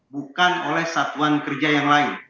bukan oleh satuan kerja yang lain